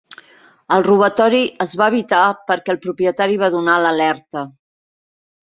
El robatori es va evitar perquè el propietari va donar l'alerta.